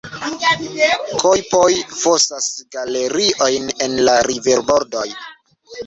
Kojpoj fosas galeriojn en la riverbordoj.